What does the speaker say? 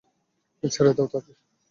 ছেড়ে দাও তাকে?